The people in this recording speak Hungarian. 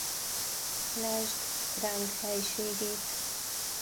Lásd Ránk helységét.